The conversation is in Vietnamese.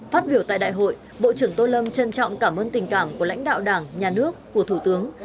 phát biểu tại đại hội bộ trưởng tô lâm trân trọng cảm ơn tình cảm của lãnh đạo đảng nhà nước của thủ tướng